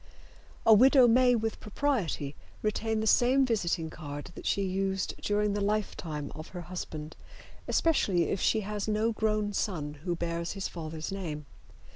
A widow may with propriety retain the same visiting card that she used during the lifetime of her husband, especially if she has no grown son who bears his father's name.